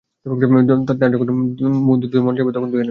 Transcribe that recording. তার যখন ধুতে মন চাইবে তখন ধুয়ে নিবে।